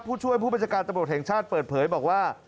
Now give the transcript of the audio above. ผู้ช่วยผู้บัญชาการตำรวจแห่งชาติเปิดเผยบอกว่า